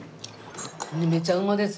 めちゃうまです。